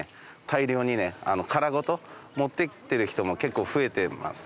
大量にね殻ごと持ってってる人も結構増えてます。